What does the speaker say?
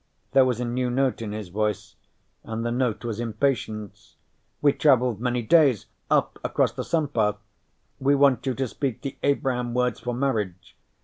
There was a new note in his voice, and the note was impatience. "We traveled many days, up across the sun path. We want you to speak the Abraham words for marriage.